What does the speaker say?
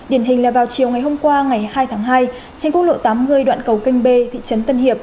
điển hình là vào chiều ngày hôm qua ngày hai tháng hai trên quốc lộ tám mươi đoạn cầu kênh bê thị trấn tân hiệp